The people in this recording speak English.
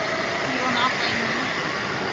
You will not blame me.